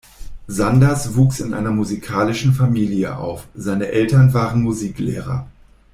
Sanders wuchs in einer musikalischen Familie auf, seine Eltern waren Musiklehrer.